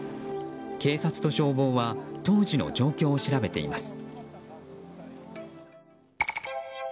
警察と消防は当時の状況を調べています。